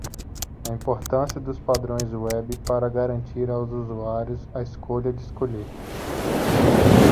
A importância dos padrões web para garantir aos usuários a escolha de escolher.